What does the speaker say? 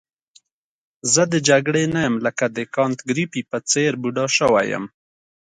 زه د جګړې نه یم لکه د کانت ګریفي په څېر بوډا شوی یم.